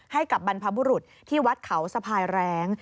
ให้กับบรรพบุรุษที่วัดเขาสะพายแรง